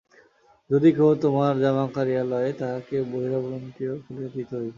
যদি কেহ তোমার জামা কাড়িয়া লয়, তাহাকে বহিরাবরণটিও খুলিয়া দিতে হইবে।